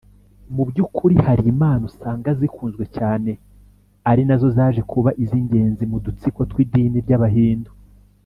mu by’ukuri hari imana usanga zikunzwe cyane ari na zo zaje kuba iz’ingenzi mu dutsiko tw’idini ry’abahindu